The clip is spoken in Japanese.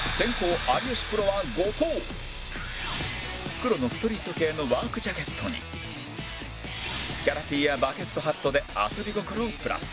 黒のストリート系のワークジャケットにキャラ Ｔ やバケットハットで遊び心をプラス